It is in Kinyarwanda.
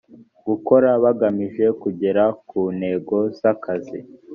gukora bagamije kugera ku ntego z’akazi